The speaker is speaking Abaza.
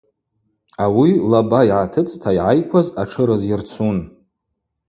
Ауи Лаба йгӏатыцӏта йгӏайкваз атшы рызйырцун.